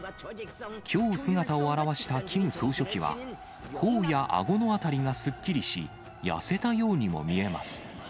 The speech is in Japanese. きょう姿を現したキム総書記は、ほおやあごの辺りがすっきりし、痩せたようにも見えます。